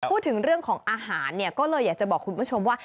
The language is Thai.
พูดถึงเรื่องของอาหารเนี่ยก็เลยอยากจะบอกคุณผู้ชมว่า